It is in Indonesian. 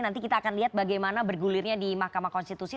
nanti kita akan lihat bagaimana bergulirnya di mahkamah konstitusi